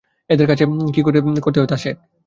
এদের কাছে কাজ কি করে করতে হয়, তা শেখ।